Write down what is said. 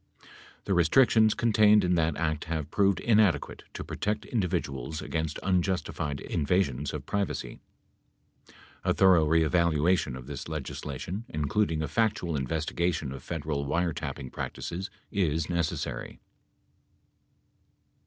The restrictions contained in that act have proved inadequate to pro tect individuals against unjustified invasions of privacy. A thorough reevaluation of this legislation, including a factual investigation of Federal wiretapping practices, is necessary.